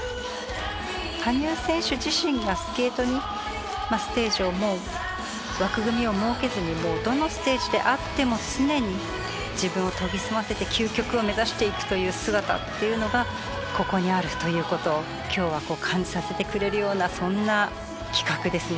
羽生選手自身がスケートにステージをもう枠組みを設けずにどのステージであっても常に自分を研ぎ澄ませて究極を目指していくという姿っていうのがここにあるという事を今日は感じさせてくれるようなそんな企画ですね。